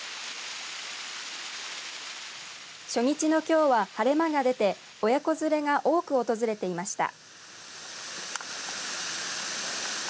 初日のきょうは晴れ間が出て親子連れが多く訪れていました。